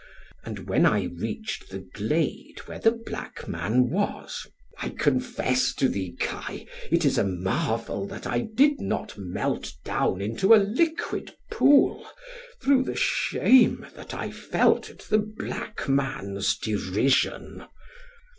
And when I reached the glade where the black man was, I confess to thee, Kai, it is a marvel that I did not melt down into a liquid pool, through the shame that I felt at the black man's derision.